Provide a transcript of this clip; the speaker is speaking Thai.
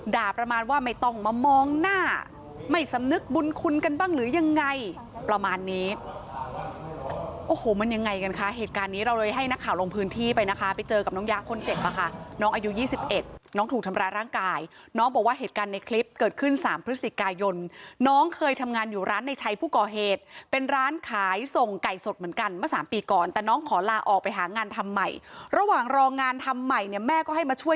ด่าประมาณว่าไม่ต้องมามองหน้าไม่สำนึกบุญคุณกันบ้างหรือยังไงประมาณนี้โอ้โหมันยังไงกันค่ะเหตุการณ์นี้เราเลยให้นักข่าวลงพื้นที่ไปนะคะไปเจอกับน้องยะคนเจ็บมาค่ะน้องอายุ๒๑น้องถูกทำร้ายร่างกายน้องบอกว่าเหตุการณ์ในคลิปเกิดขึ้น๓พฤศจิกายนน้องเคยทำงานอยู่ร้านในชัยผู้ก่อเหตุเป็นร้านข